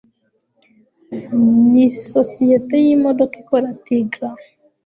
Nisosiyete yimodoka ikora Tigra